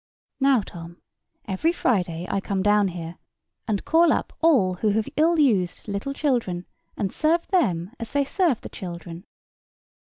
"Now, Tom, every Friday I come down here and call up all who have ill used little children and serve them as they served the children."